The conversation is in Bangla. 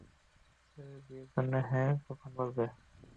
ছেলে বিয়ের জন্য হ্যাঁঁ কখন বলবে!